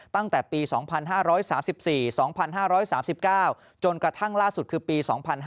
ตั้งแต่ปี๒๕๓๔๒๕๓๙จนกระทั่งล่าสุดคือปี๒๕๕๙